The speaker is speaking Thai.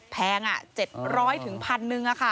แพง๗๐๐๑๐๐๐บาท